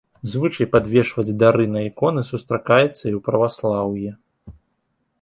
Звычай падвешваць дары на іконы сустракаецца і ў праваслаўі.